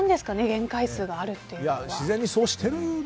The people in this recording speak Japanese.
限界数があるっていうのは。